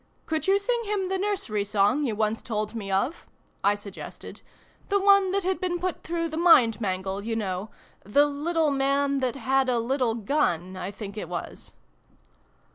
" Could you sing him the nursery song you once told me of ?" I suggested. " The one that had been put through the mind mangle, you know. ' The little man that had a little gun} I think it was.